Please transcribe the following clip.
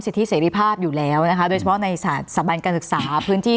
เสรีภาพอยู่แล้วนะคะโดยเฉพาะในสถาบันการศึกษาพื้นที่